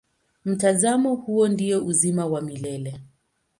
Mtazamo huo ndio uzima wa milele.